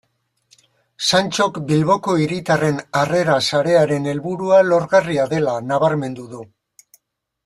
Santxok Bilboko Hiritarren Harrera Sarearen helburua lorgarria dela nabarmendu du.